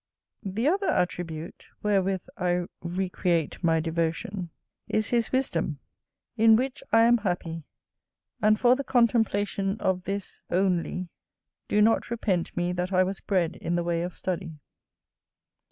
That other attribute, wherewith I recreate my devotion, is his wisdom, in which I am happy; and for the contemplation of this only do not repent me that I was bred in the way of study.